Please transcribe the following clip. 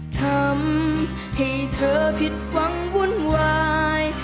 ทำให้เธอผิดหวังวุ่นวาย